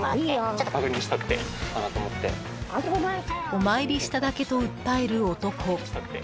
［お参りしただけと訴える男］